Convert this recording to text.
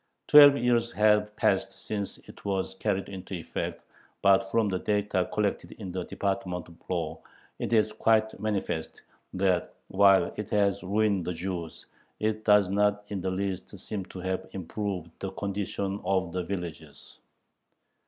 Twelve years have passed since it was carried into effect, but from the data collected in the Department of Law it is quite manifest, that, while it has ruined the Jews, it does not in the least seem to have improved the condition of the villagers.